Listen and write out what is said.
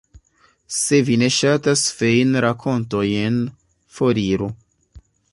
Se vi ne ŝatas feinrakontojn, foriru.